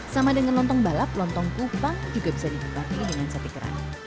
sama dengan lontong balap lontong kupang juga bisa dinikmati dengan sate kerang